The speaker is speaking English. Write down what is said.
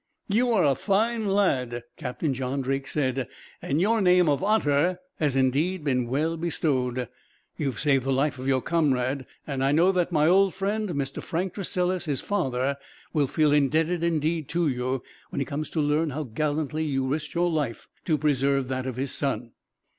"You are a fine lad," Captain John Drake said, "and your name of Otter has indeed been well bestowed. You have saved the life of your comrade; and I know that my old friend, Mr. Frank Tressilis, his father, will feel indebted indeed to you, when he comes to learn how gallantly you risked your life to preserve that of his son."